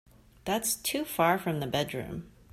That's too far from the bedroom.